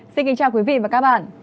xin kính chào quý vị và các bạn